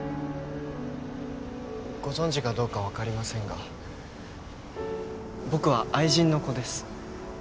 ご存じかどうかわかりませんが僕は愛人の子です。